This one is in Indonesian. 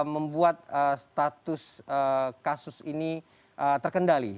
membuat status kasus ini terkendali